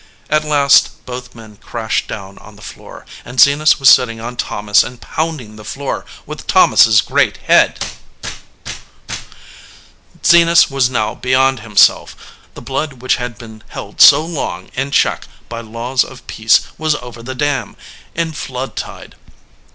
At last both men crashed down on the floor, and Zenas was sitting on Thomas and pounding the floor with Thomas s great head. Zenas was now beyond himself. The blood which had been held so long in check by laws of peace was over the dam, in flood tide.